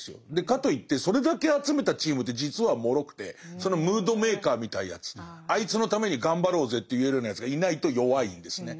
かといってそれだけ集めたチームって実はもろくてそのムードメーカーみたいなやつあいつのために頑張ろうぜって言えるようなやつがいないと弱いんですね。